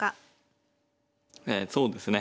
えそうですね